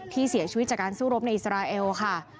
ที่เสียชีวิตจากการสู้รบในอิสราเอลค่ะ